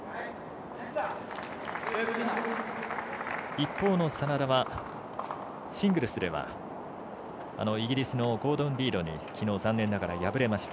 一方の眞田はシングルスではイギリスのゴードン・リードに残念ながら敗れました。